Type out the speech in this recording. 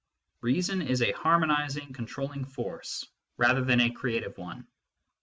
Reason is a harmonising, controlling force rather than a creative one.